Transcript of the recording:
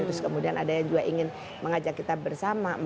terus kemudian ada yang juga ingin mengajak kita bersama